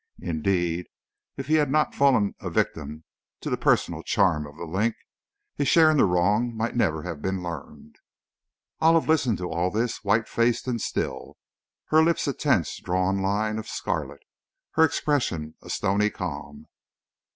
Indeed, if he had not fallen a victim to the personal charms of 'The Link,' his share in the wrong might never have been learned." Olive listened to all this, white faced and still, her lips a tense, drawn line of scarlet, her expression a stony calm.